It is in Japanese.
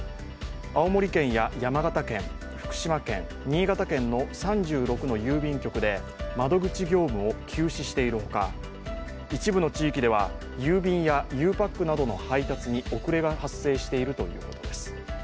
青森県や山形県、福島県、新潟県の３６の郵便局で窓口業務を休止しているほか一部の地域では郵便やゆうパックなどの配達に遅れが発生しているということです。